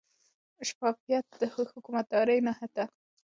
شفافیت د ښه حکومتدارۍ نښه ده.